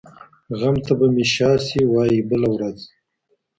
غم ته به مي شا سي، وايي بله ورځ